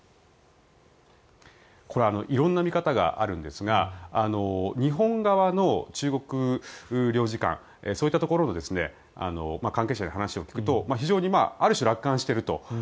これは色んな見方があるんですが日本側の中国領事館そういったところの関係者に話を聞くとある種、楽観していると。